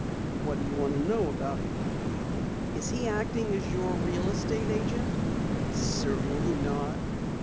"What do you want to know about him?" "Is he acting as your real estate agent?" "Certainly not."